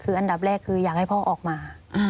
คืออันดับแรกคืออยากให้พ่อออกมา